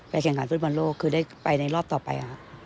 แข่งขันฟุตบอลโลกคือได้ไปในรอบต่อไป